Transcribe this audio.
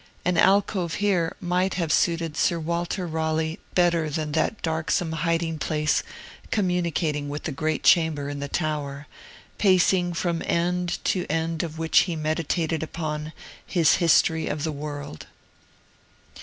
An alcove here might have suited Sir Walter Raleigh better than that darksome hiding place communicating with the great chamber in the Tower, pacing from end to end of which he meditated upon his "History of the World."